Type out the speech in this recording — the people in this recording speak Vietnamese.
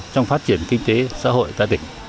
trong phát triển kinh tế xã hội tại tỉnh